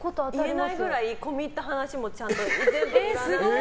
言えないくらい込み入った話もちゃんと全部占って。